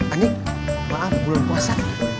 ani maaf belum puasa